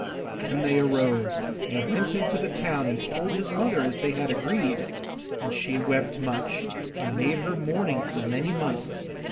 Then they arose and went into the town and told his mother as they had agreed, and she wept much and made her mourning for many months.